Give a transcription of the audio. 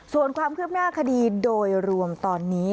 ส่วนความคืบหน้าคดีโดยรวมตอนนี้